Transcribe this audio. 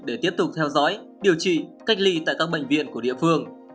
để tiếp tục theo dõi điều trị cách ly tại các bệnh viện của địa phương